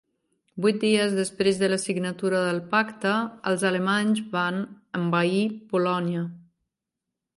Vuit dies després de la signatura del pacte, els alemanys van envair Polònia.